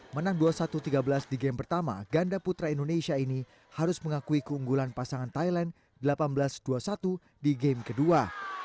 menang dua satu tiga belas di game pertama ganda putra indonesia ini harus mengakui keunggulan pasangan thailand delapan belas dua puluh satu di game kedua